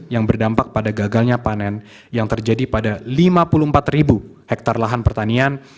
yang berdampak pada gagalnya panen yang terjadi pada lima puluh empat ribu hektare lahan pertanian